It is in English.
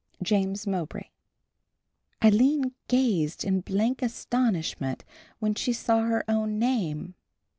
JAMES MOWBRAY. Aline gazed in blank astonishment when she saw her own name.